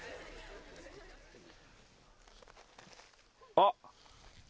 あっ。